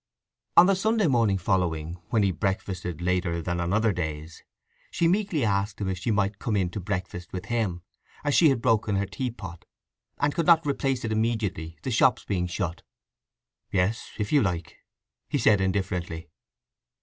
On the Sunday morning following, when he breakfasted later than on other days, she meekly asked him if she might come in to breakfast with him, as she had broken her teapot, and could not replace it immediately, the shops being shut. "Yes, if you like," he said indifferently.